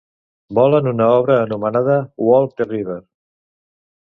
Volen una obra anomenada "Walk the River"